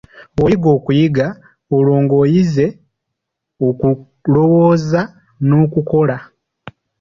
Bw'oyiga okuyiga, olwo ng'oyize okulowooza n'okukola.